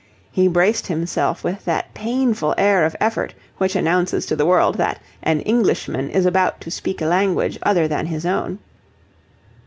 He braced himself with that painful air of effort which announces to the world that an Englishman is about to speak a language other than his own.